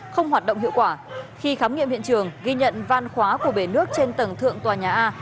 không hoạt động hiệu quả khi khám nghiệm hiện trường ghi nhận van khóa của bể nước trên tầng thượng tòa nhà a